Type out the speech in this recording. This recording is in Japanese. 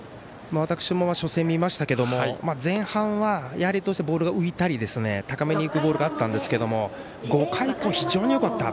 私も初戦見ましたけれども前半はボールが浮いたり高めにいくボールがあったんですが５回以降非常によかった。